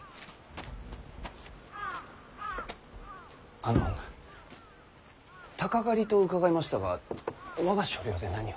あの鷹狩りと伺いましたが我が所領で何を？